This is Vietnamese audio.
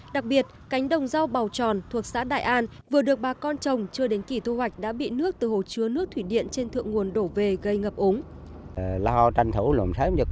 đặc biệt cánh đồng rau bào tròn thuộc xã đại an vừa được bà con trồng chưa đến kỳ thu hoạch đã bị nước từ hồ chứa nước thủy điện trên thượng nguồn đổ về gây ngập ống